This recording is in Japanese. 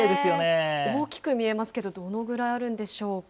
大きく見えますけれども、どのぐらいあるんでしょうか。